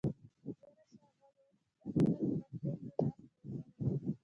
تېره شه غلو د احمد پر هټۍ لاس تېر کړی دی.